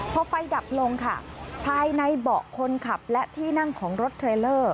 พอไฟดับลงค่ะภายในเบาะคนขับและที่นั่งของรถเทรลเลอร์